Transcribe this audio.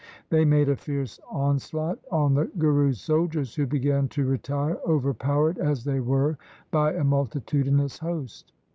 They made a fierce onslaught on the Guru's soldiers, who began to retire, overpowered as they were by a multitudinous host.